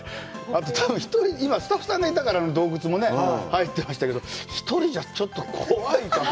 スタッフさんがいたから、洞窟もね、入ってましたけど、１人じゃ、ちょっと怖い。